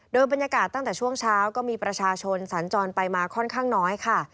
โดยบรรยากาศตั้งแต่ช่วงเช้าก็มีประชาชนสัญจรไปมาค่อนข้างน้อยค่ะ